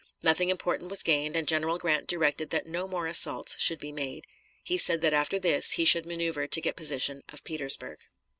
Nothing important was gained, and General Grant directed that no more assaults should be made. He said that after this he should maneuver to get possession of Petersburg.